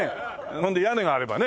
ほんで屋根があればね。